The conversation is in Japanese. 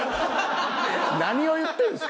何を言ってるんですか？